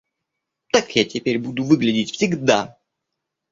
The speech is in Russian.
Так я теперь буду выглядеть всегда!